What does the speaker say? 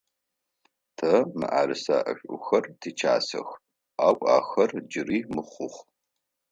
Тэ мыӏэрысэ ӏэшӏухэр тикӏасэх, ау ахэр джыри мыхъух.